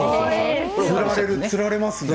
つられますね。